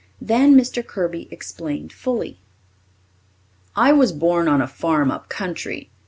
Then Mr. Kirby explained fully. "I was born on a farm up country.